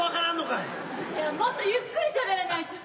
いやもっとゆっくりしゃべらないと。